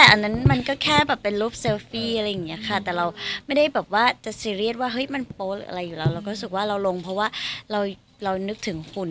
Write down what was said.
ก่อนอันนี้ลงเยอะกว่านี้อีกใช่ค่ะก็ไม่มีรูปอะไรลงก็เลยลงเพราะว่าอยากผอม